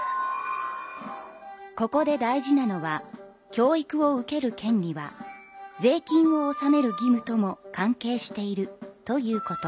ここで大事なのは教育を受ける権利は税金を納める義務とも関係しているということ。